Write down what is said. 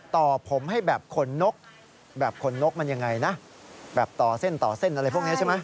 ต่อผมให้แบบขนนกแบบขนนกมันยังไงนะแบบต่อเส้นต่อเส้นอะไรพวกนี้ใช่ไหม